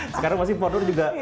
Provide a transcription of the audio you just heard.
sekarang masih penduduk juga